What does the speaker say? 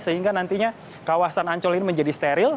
sehingga nantinya kawasan ancol ini menjadi steril